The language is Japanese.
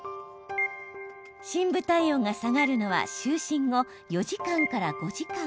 深部体温が下がるのは就寝後４時間から５時間。